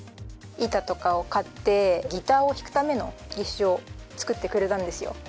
板とかを買ってギターを弾くための義手を作ってくれたんですよ。